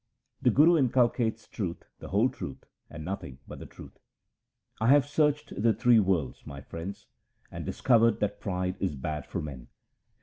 The Guru inculcates truth, the whole truth, and nothing but the truth :— I have searched the three worlds, my friends, and dis covered that pride is bad for men.